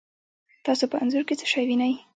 تاسو په انځور کې څه شی وینئ؟